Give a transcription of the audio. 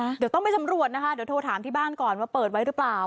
เดี๋ยวต้องไปสำรวจนะคะเดี๋ยวโทรถามที่บ้านก่อนว่าเปิดไว้หรือเปล่า